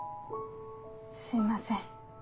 すいません。